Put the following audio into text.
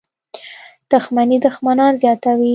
• دښمني دښمنان زیاتوي.